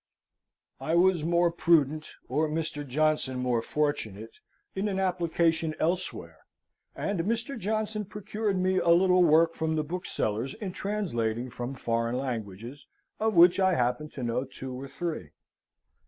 I was more prudent, or Mr. Johnson more fortunate, in an application elsewhere, and Mr. Johnson procured me a little work from the booksellers in translating from foreign languages, of which I happen to know two or three.